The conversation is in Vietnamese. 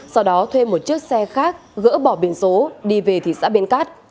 sau đó thuê một chiếc xe khác gỡ bỏ biển số đi về thị xã biên cát